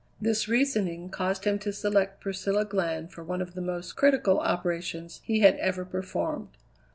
This reasoning caused him to select Priscilla Glenn for one of the most critical operations he had ever performed.